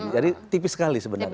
jadi tipis sekali sebenarnya